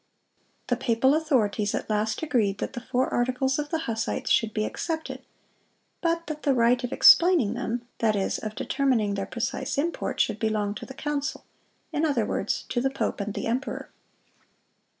The papal authorities at last "agreed that the four articles of the Hussites should be accepted, but that the right of explaining them, that is, of determining their precise import, should belong to the council—in other words, to the pope and the emperor."